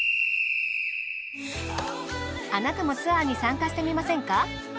あなたもツアーに参加してみませんか？